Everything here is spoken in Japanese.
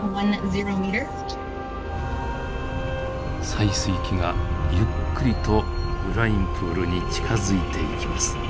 採水器がゆっくりとブラインプールに近づいていきます。